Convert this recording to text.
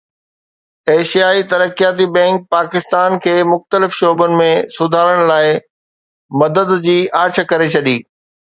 ايشيائي ترقياتي بئنڪ پاڪستان کي مختلف شعبن ۾ سڌارن لاءِ مدد جي آڇ ڪري ڇڏي